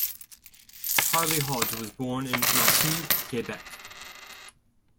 Charlie Hodge was born in Lachine, Quebec.